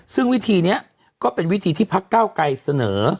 ซึ่งวิธีนี้ก็เป็นวิธีที่พักเก้าไกรเสนอ